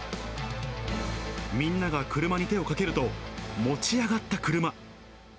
みんなが車に手をかけると、持ち上がった車。